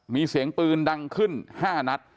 มีเสียงปืนดังขึ้น๕นัด